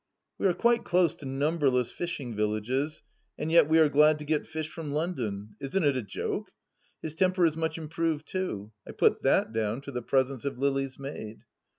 We are quite close to numberless fishing villages, and yet we are glad to get fish from London. Isn't it a joke? His temper is much improved too ; I put that down to the presence of Lily's maid.